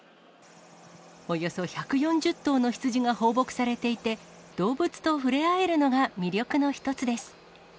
およそ１４０頭の羊が放牧されていて、動物と触れ合えるのが魅力の一つです。